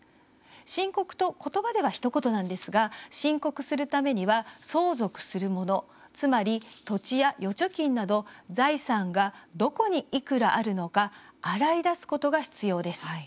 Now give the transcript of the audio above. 申告と言葉ではひと言なんですが申告するためには、相続するものつまり土地や預貯金など財産がどこにいくらあるのか洗い出すことが必要です。